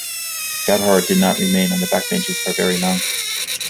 Gallagher did not remain on the backbenches for very long.